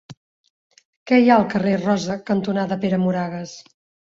Què hi ha al carrer Rosa cantonada Pere Moragues?